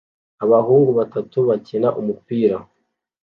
abahungu batatu bakina umupira